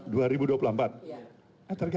tapi apakah akan membawa juga